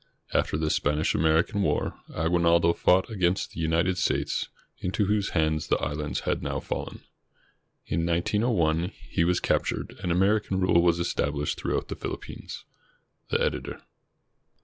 After the Spanish American War, Aguinaldo fought against the United States, into whose hands the islands had now fallen. In 1901, he was captured and American rule was estabUshed throughout the Phihppines. The Editor.